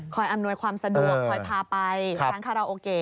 อำนวยความสะดวกคอยพาไปร้านคาราโอเกะ